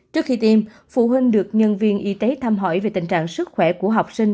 trước khi tiêm phụ huynh được nhân viên y tế thăm hỏi về tình trạng sức khỏe của học sinh